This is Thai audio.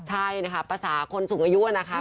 ใช่นะคะภาษาคนสูงอายุนะคะ